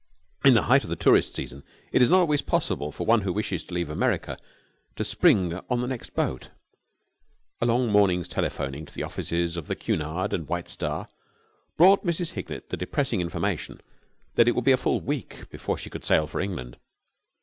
In the height of the tourist season it is not always possible for one who wishes to leave America to spring on to the next boat. A long morning's telephoning to the offices of the Cunard and the White Star brought Mrs. Hignett the depressing information that it would be a full week before she could sail for England.